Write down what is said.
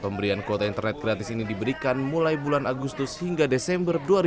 pemberian kuota internet gratis ini diberikan mulai bulan agustus hingga desember dua ribu dua puluh